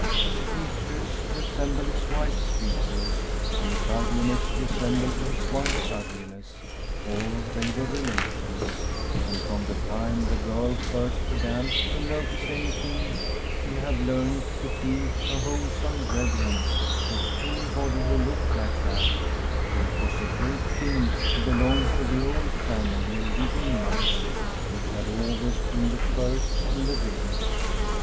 His features resembled his wife's features and his ugli ness resembled his wife's ugliness, for they were relations, and from the time the girl first began to notice anything she had learned to feel a whole some reverence for anybody who looked like that ; for it was a great thing to belong to the old family of the Ingmars, which had always been the first in the village.